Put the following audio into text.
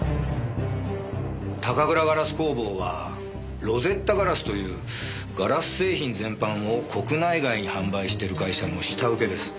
高倉ガラス工房はロゼッタ硝子というガラス製品全般を国内外に販売している会社の下請けです。